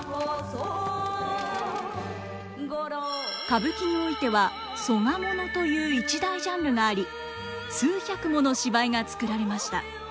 歌舞伎においては「曽我もの」という一大ジャンルがあり数百もの芝居が作られました。